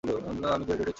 আমি ডিহাইড্রেটেড ছিলাম!